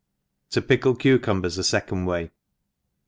To pickle Cucumbers afecond Way.